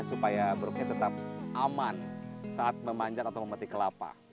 supaya beruknya tetap aman saat memanjat atau memelati kelapa